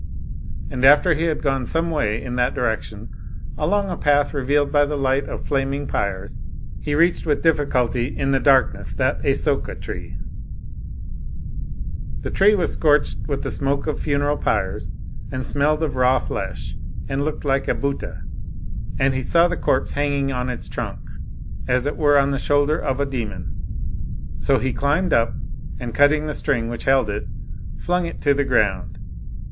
And after he had gone some way in that direction, along a path revealed by the light of the flaming pyres, he reached with difficulty in the darkness 114 A Tale of a Demon that a^oka ittt'y the tree was scorched with the smoke of funeral pyres^ and smelled of raw fleshy and looked like a Bhuta, and he saw the corpse hanging on its trunks as it were on the shoulder of a demon. So he climbed up^ and cutting the string which held it^ flung it to the ground.